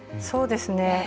そうですね。